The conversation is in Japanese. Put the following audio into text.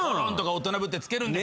大人ぶってつけるんですよ。